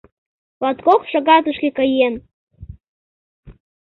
Латкок шагатышке каен.